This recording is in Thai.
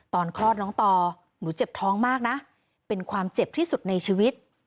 คลอดน้องต่อหนูเจ็บท้องมากนะเป็นความเจ็บที่สุดในชีวิต